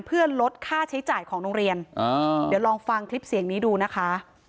เพื่อลดค่าใช้จ่ายของโรงเรียนอ่าเดี๋ยวลองฟังคลิปเสียงนี้ดูนะคะ